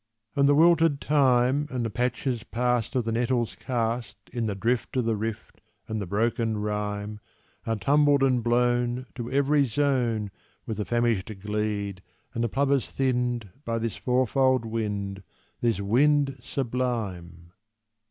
And the wilted thyme, And the patches past Of the nettles cast In the drift of the rift, and the broken rime, Are tumbled and blown To every zone With the famished glede, and the plovers thinned By this fourfold Wind This Wind sublime!